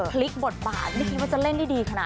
คลิกบทบาทไม่คิดว่าจะเล่นดีขนาดนี้แหละ